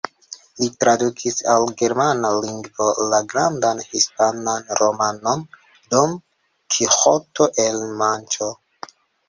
Li tradukis al germana lingvo la grandan hispanan romanon Don Kiĥoto el Manĉo.